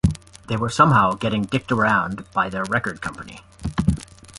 They were somehow getting dicked around by their record company.